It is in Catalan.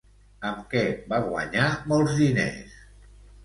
Amb què va guanyar molts diners?